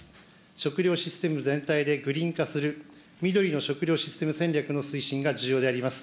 食料システム全体でグリーン化する、緑の食料システム戦略の推進が重要であります。